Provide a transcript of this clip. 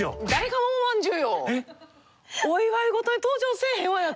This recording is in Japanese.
お祝い事で登場せえへんわよ